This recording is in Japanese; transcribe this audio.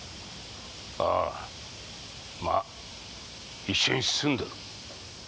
ああまあ一緒に住んでる。